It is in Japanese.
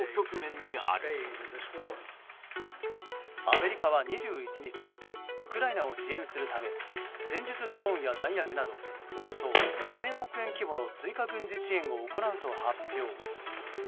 アメリカは２１日ウクライナを支援するため戦術ドローンや弾薬などおよそ１０００億円規模の追加軍事支援を行うと発表。